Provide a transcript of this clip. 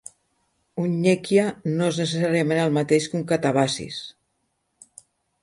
Un "nekya" no és necessàriament el mateix que un "katabasis".